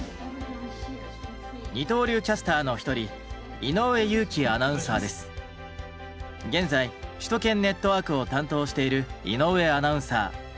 二刀流キャスターの一人現在「首都圏ネットワーク」を担当している井上アナウンサー。